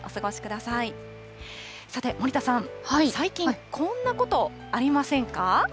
さて、森田さん、最近、こんなことありませんか？